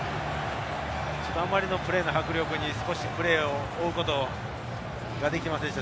あまりのプレーの迫力に少しプレーを追うことができませんでした。